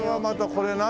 これ何？